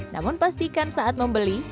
namun pastikan saat membeli